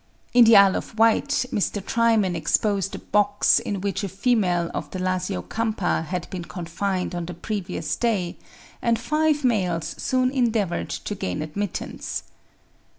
In the Isle of Wight Mr. Trimen exposed a box in which a female of the Lasiocampa had been confined on the previous day, and five males soon endeavoured to gain admittance.